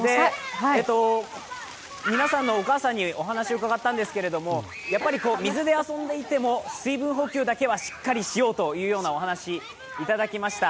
皆さんのお母さんにお話を伺ったんですけれども、水で遊んでいても水分補給だけはしっかりしようというお話をいただきまいた。